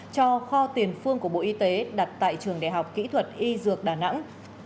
cho kho tiền phương của bộ y tế đặt tại trường đại học kỹ thuật y dược đà nẵng